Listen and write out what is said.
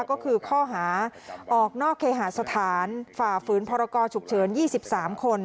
ก็คือข้อหาออกนอกเคหาสถานฝ่าฝืนพรกรฉุกเฉิน๒๓คน